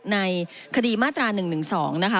ในคดีมาตรา๑๑๒นะคะ